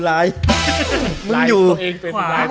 ลายตัวเอง